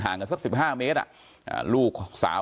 ห่างกันสัก๑๕เมตรอ่ะ